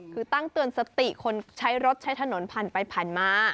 คือตั้งเตือนสติคนใช้รถใช้ถนนผ่านไปผ่านมา